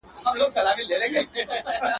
زه د ابۍ مزدوره، ابۍ د کلي.